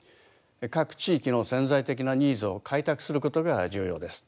各地域の潜在的なニーズを開拓することが重要です。